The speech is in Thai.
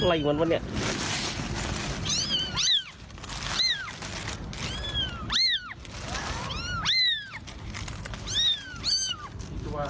อะไรกันวะเนี่ย